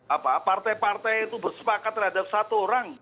apa partai partai itu bersepakat terhadap satu orang